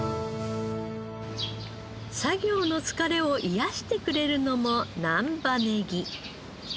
作業の疲れを癒やしてくれるのも難波ネギ。